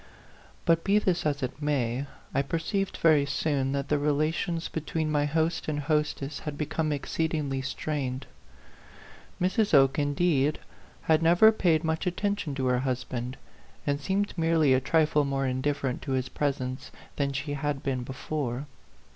But be this as it may, I perceived very soon that the rela tions between my host and hostess had be come exceedingly strained. Mrs. Oke, in 96 A PHANTOM LOVER. deed, had never paid much attention to her husband, and seemed merely a trifle more indifferent to his presence than she had been before.